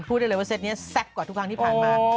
ได้เลยว่าเซตนี้แซ่บกว่าทุกครั้งที่ผ่านมา